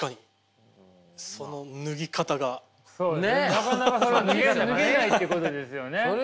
なかなかそれが脱げないってことですよね。